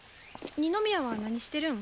二宮は何してるん？